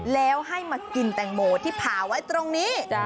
แล้วให้มากินแตงโมที่ผ่าไว้ตรงนี้